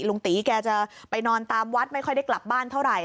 ลุงตีแกจะไปนอนตามวัดไม่ค่อยได้กลับบ้านเท่าไหร่